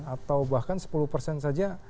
atau bahkan sepuluh persen saja